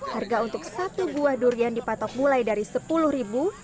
harga untuk satu buah durian dipatok mulai dari sepuluh ribu